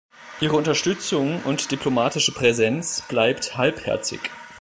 Ihre Unterstützung und diplomatische Präsenz bleibt halbherzig.